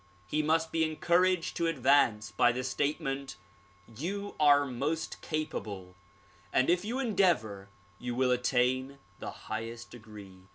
He must be encouraged to advance, by the statement "You are most capable and if you endeavor you will attain the highest degree."